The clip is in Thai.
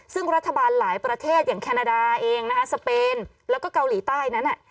ซึ่งรัฐบาลหลายประเทศอย่างแคนาดาเองนะฮะสเปนแล้วก็เกาหลีใต้นั้น